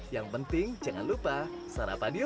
yang penting jangan lupa sarapan diolah